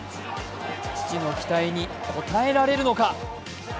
父の期待に応えられるのか。